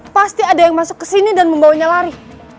pasti ada yang masuk kesini dan membawanya lari